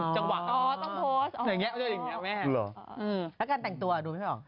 ชาเลนส์ของพวกคุณ